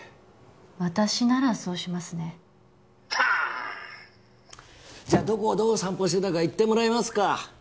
私ならそうしますねはあっじゃどこをどう散歩してたか言ってもらえますか？